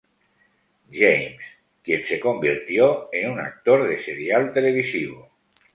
James, quien se convirtió en un actor de Serial televisivo.